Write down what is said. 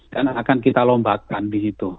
dan akan kita lombakan di situ